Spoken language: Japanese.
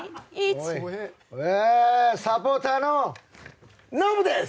サポーターのノブです！